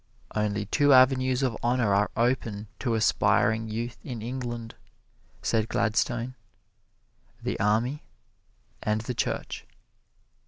"Only two avenues of honor are open to aspiring youth in England," said Gladstone "the Army and the Church."